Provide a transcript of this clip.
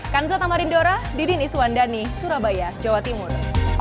kan zota marindora didin iswandani surabaya jawa timur